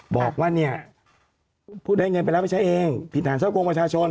บอกว่าเนี่ยผู้ได้เงินไปแล้วไปใช้เองผิดฐานช่อโกงประชาชน